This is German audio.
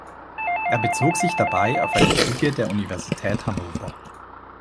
Er bezog sich dabei auf eine Studie der Universität Hannover.